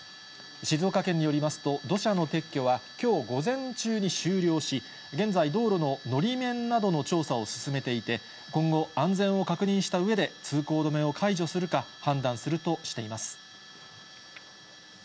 静岡県によりますと、土砂の撤去は、きょう午前中に終了し、現在、道路ののり面などの調査を進めていて、今後、安全を確認したうえで、通行止めを解除するか、判断するとしています。